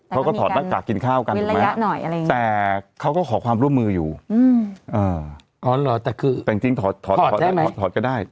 เขาก็ถอดรักกากกินข้าวกันหรือไหมแต่เขาก็ขอความร่วมมืออยู่แต่จริงถอดได้ไหมถอดก็ได้